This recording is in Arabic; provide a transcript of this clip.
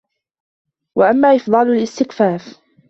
وَأَمَّا إفْضَالُ الِاسْتِكْفَافِ